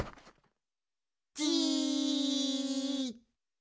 じっ。